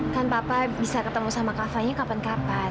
kan papa bisa ketemu sama kakaknya kapan kapan